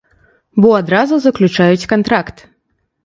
Бо адразу заключаюць кантракт.